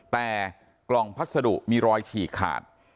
แต่กล่องพัสดุมีรอยฉีกขาด